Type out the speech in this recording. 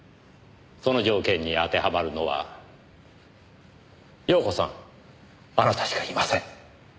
その条件に当てはまるのは遥子さんあなたしかいません。